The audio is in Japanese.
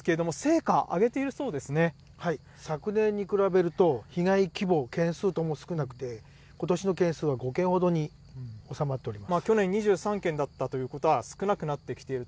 こういった盗難対策ですけれども、昨年に比べると、被害規模、件数とも少なくて、ことしの件数は５件ほどに収まっております。